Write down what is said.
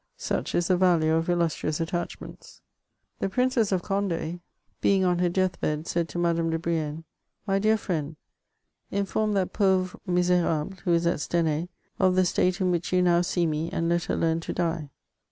Such is the value of illustrious attachments. The Princess of Cond6 being on her death bed, said to Madame de Brienne, " My dear friend, inform that pauvr^ miserahle^ who is at Stenay, of the state in which you now see me, and let her learn to die."